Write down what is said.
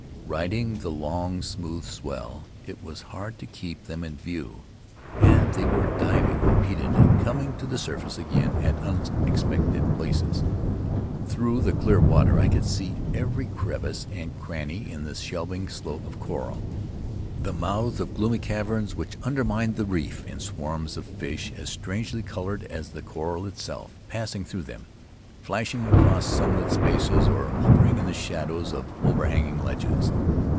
Riding the long, smooth swell, it was hard to keep them in view, and they were diving repeatedly, coming to the surface again at unexpected places. Through the clear water I could see every crevice and cranny hi the shelving slope of coral; the mouths of gloomy caverns which undermined the reef, and swarms of fish, as strangely colored as the coral itself, passing through them, flashing across sunlit spaces, or hovering in the shadows of overhanging ledges.